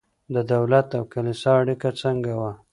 د دولت او کلیسا اړیکه څنګه وه؟